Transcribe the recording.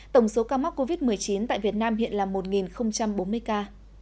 tổng số ca mắc covid một mươi chín tại việt nam hiện là một bốn mươi ca